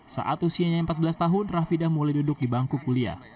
saat usianya empat belas tahun rafidah mulai duduk di bangku kuliah